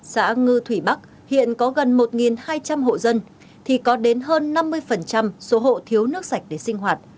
xã ngư thủy bắc hiện có gần một hai trăm linh hộ dân thì có đến hơn năm mươi số hộ thiếu nước sạch để sinh hoạt